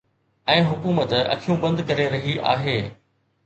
۽ حڪومت اکيون بند ڪري رهي آهي